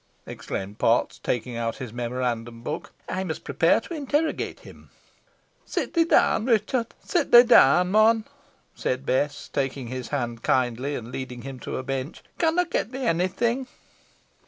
exclaimed Potts, taking out his memorandum book; "I must prepare to interrogate him." "Sit thee down, Ruchot, sit thee down, mon," said Bess, taking his hand kindly, and leading him to a bench. "Con ey get thee onny thing?"